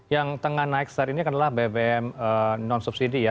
yang tengah naik saat ini adalah bbm non subsidi ya